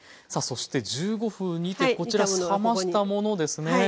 さあそして１５分煮てこちら冷ましたものですね。